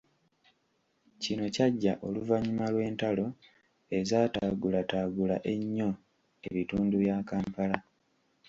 Kino kyajja oluvanyuma lw'entalo ezataagulataagula ennyo ebitundu bya Kampala.